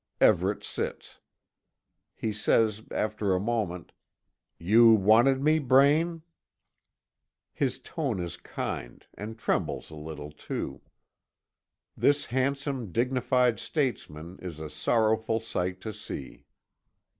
Everet sits. He says, after a moment: "You wanted me, Braine?" His tone is kind, and trembles a little too. This handsome, dignified statesman is a sorrowful sight to see.